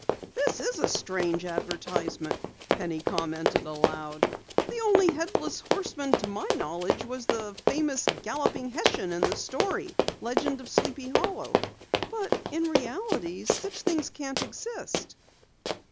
"This is a strange advertisement," Penny commented aloud. "The only Headless Horseman to my knowledge was the famous Galloping Hessian in the story, 'Legend of Sleepy Hollow.' But in reality such things can't exist."